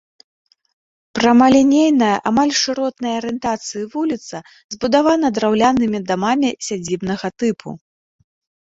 Прамалінейная амаль шыротнай арыентацыі вуліца забудавана драўлянымі дамамі сядзібнага тыпу.